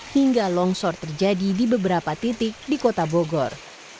hingga longsor terjadi di beberapa titik di kota bogor